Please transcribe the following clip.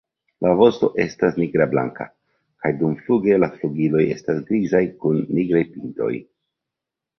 La vosto estas nigrablanka kaj dumfluge la flugiloj estas grizaj kun nigraj pintoj.